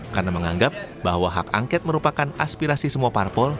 karena menganggap bahwa hak angket merupakan aspirasi semua parpol